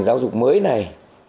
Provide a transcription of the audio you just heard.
giáo dục mới này